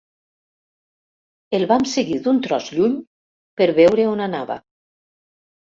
El vam seguir d'un tros lluny per veure on anava.